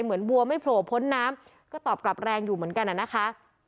เหมือนวัวไม่โผล่พ้นน้ำก็ตอบกลับแรงอยู่เหมือนกันนะคะ